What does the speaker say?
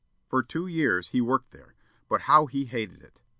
For two years he worked there, but how he hated it!